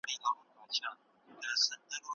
سياسي اوښتونونو په ټوله نړۍ کي پراختيا ومونده.